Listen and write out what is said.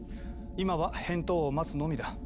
今は返答を待つのみだ。